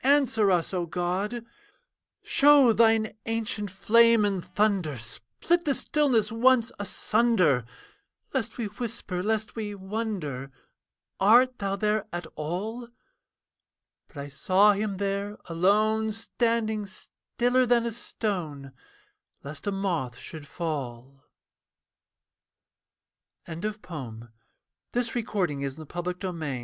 Answer us, O God! 'Show thine ancient flame and thunder, Split the stillness once asunder, Lest we whisper, lest we wonder Art thou there at all?' But I saw him there alone, Standing stiller than a stone Lest a moth should fall. TO THEM THAT MOURN (W.E.G., May 1898) Lift up your heads: i